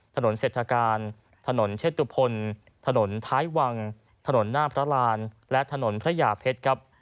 ถนนเศรษฐการถนนเชษตุพลถนนท้ายวังถนนหน้าพระรานและถนนพระยาเพชรครับ